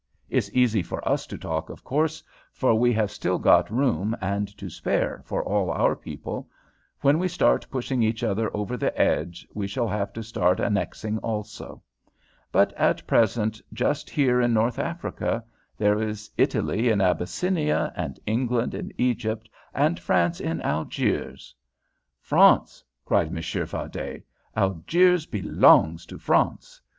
It's easy for us to talk, of course, for we have still got room and to spare for all our people. When we start pushing each other over the edge we shall have to start annexing also. But at present just here in North Africa there is Italy in Abyssinia, and England in Egypt, and France in Algiers " "France!" cried Monsieur Fardet. "Algiers belongs to France.